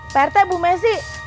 pt bumesi ini ada apa